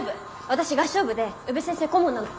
私合唱部で宇部先生顧問なの。